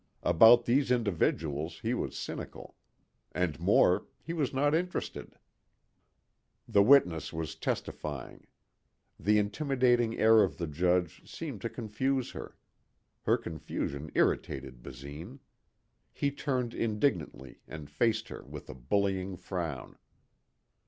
About these individuals he was cynical. And more, he was not interested. The witness was testifying. The intimidating air of the judge seemed to confuse her. Her confusion irritated Basine. He turned indignantly and faced her with a bullying frown.